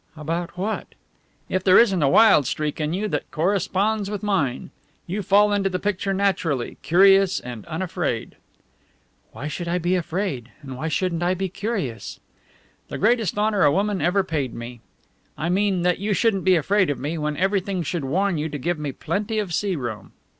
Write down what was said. "About what?" "If there isn't a wild streak in you that corresponds with mine. You fall into the picture naturally curious and unafraid." "Why should I be afraid, and why shouldn't I be curious?" "The greatest honour a woman ever paid me. I mean that you shouldn't be afraid of me when everything should warn you to give me plenty of sea room."